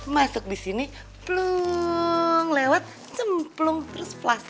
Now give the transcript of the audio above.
masuk di sini plung lewat cemplung terus plas